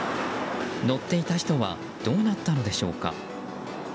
乗っていた人はどうなったのでしょうか。